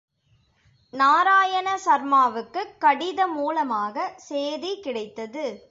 நாராயண சர்மாவுக்குக் கடிதமூலமாக சேதிகிடைத்தது.